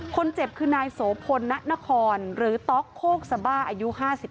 คนเจ็บคือนายโสพลณนครหรือต๊อกโคกสบ้าอายุ๕๓